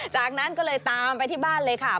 จากนั้นก็เลยตามไปที่บ้านเลยค่ะ